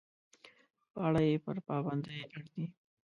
په اړه یې پر پابندۍ اړ دي.